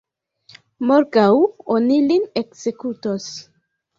Morgaŭ oni lin ekzekutos.